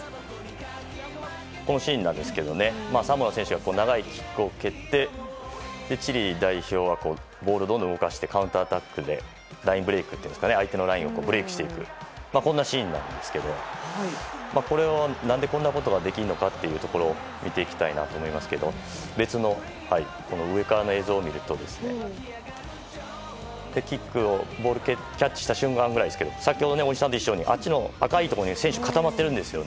このシーンですがサモアの選手が長いキックを蹴って、チリ代表がボールをどんどん動かしてカウンターアタックでラインブレークと言って相手のラインをブレークしていくというシーンですが何でこんなことができるのかというところを見ていきますけど別の、上からの映像を見るとボールをキャッチした瞬間くらいですが先ほど大西さんが言ったように赤いところに選手が固まっているんです。